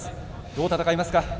どう戦いますか？